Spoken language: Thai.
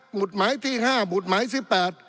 หมุดหมายที่๕หมุดหมายที่๑๘